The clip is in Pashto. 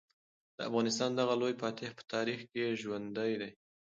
د افغانستان دغه لوی فاتح په تاریخ کې ژوندی دی.